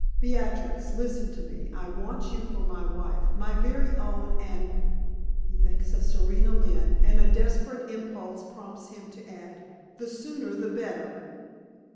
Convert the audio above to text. Beatrix, listen to me. I want you for my wife my very own and" he thinks of Serena Lynne, and a desperate impulse prompts him to add "the sooner the better."